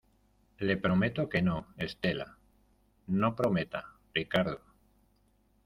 le prometo que no, Estela. no prometa , Ricardo .